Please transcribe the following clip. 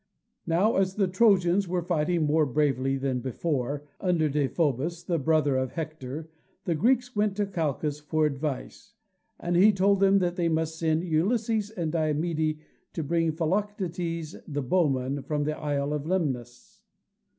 Now, as the Trojans were fighting more bravely than before, under Deiphobus, a brother of Hector, the Greeks went to Calchas for advice, and he told them that they must send Ulysses and Diomede to bring Philoctetes the bowman from the isle of Lemnos.